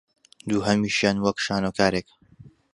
دووهەمیشیان وەک شانۆکارێک